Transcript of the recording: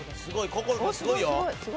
心君すごいよ。